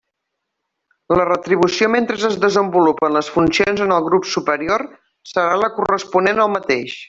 La retribució mentre es desenvolupen les funcions en el grup superior serà la corresponent al mateix.